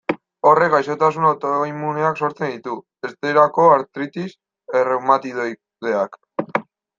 Horrek gaixotasun autoimmuneak sortzen ditu, esterako artritis erreumatoideak.